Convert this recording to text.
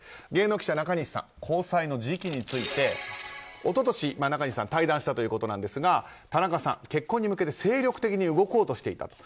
芸能記者、中西さん交際の時期について一昨年、中西さんが対談したということなんですが田中さん、結婚に向けて精力的に動こうとしていた。